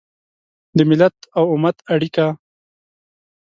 د ملت او امت اړیکه